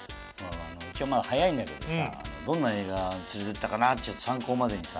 うちはまだ早いんだけどさどんな映画連れて行ったかなって参考までにさ。